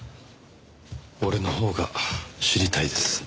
俺のほうが知りたいです。